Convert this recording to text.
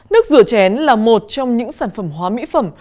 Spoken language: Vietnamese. nước rửa chén là một trong những sản phẩm hóa mỹ phẩm